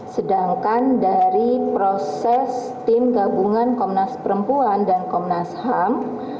sedangkan dari proses tim gabungan komnas perempuan dan komnas ham